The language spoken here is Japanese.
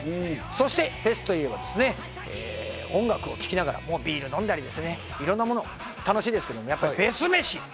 そして、フェスといえば音楽を聴きながらビールを飲んだり、いろんなもの楽しいですけど、フェス飯！